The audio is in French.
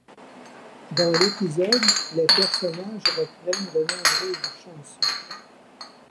Dans l'épisode, les personnages reprennent de nombreuses chansons.